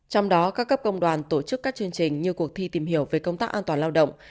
trong đó các cấp công đoàn tổ chức các chương trình như cuộc thi tìm hiểu về công tác an toàn lao động